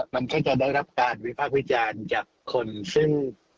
มันก็จะได้รับการวิพากษ์วิจารณ์จากคนซึ่ง